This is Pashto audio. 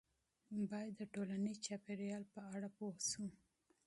باید د ټولنیز چاپیریال په اړه پوه سو.